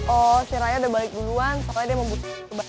oh si raya udah balik duluan soalnya dia mau busur ke basi